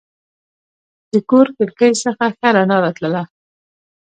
د کور کړکۍ څخه ښه رڼا راتله.